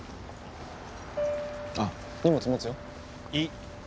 あっ荷物持つよ。いい。